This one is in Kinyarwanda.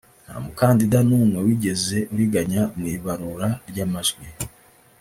nta mukandida n’umwe wigeze uriganywa mu ibarura ry’amajwi